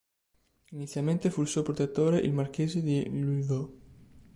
Inizialmente fu suo protettore il Marchese di Louvois.